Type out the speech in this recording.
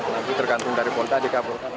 nanti tergantung dari polta di kabur